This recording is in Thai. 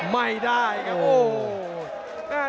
ไม่ได้ครับโอ้โห